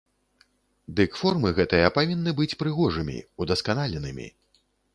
Дык формы гэтыя павінны быць прыгожымі, удасканаленымі.